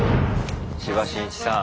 千葉真一さん。